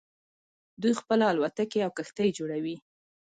دوی خپله الوتکې او کښتۍ جوړوي.